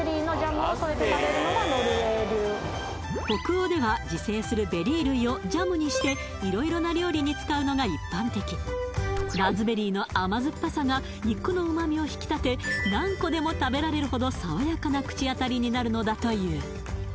北欧では自生するベリー類をジャムにして色々な料理に使うのが一般的ラズベリーの甘酸っぱさが肉のうまみを引き立て何個でも食べられるほどになるのだという